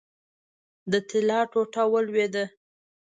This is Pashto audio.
د طلا ټوټه ولوېده.